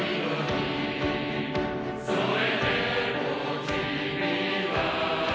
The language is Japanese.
「それでも君は」